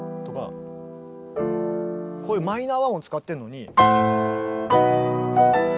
こういうマイナー和音使ってんのに。